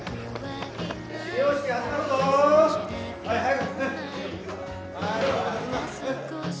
はい。